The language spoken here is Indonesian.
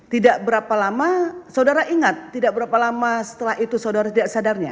tidak berapa lama saudara ingat tidak berapa lama setelah itu saudara tidak sadarnya